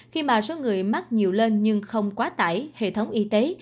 khi mà số người mắc nhiều lên nhưng không quá tải hệ thống y tế